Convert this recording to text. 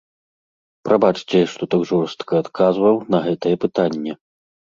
Прабачце, што так жорстка адказваў на гэтае пытанне.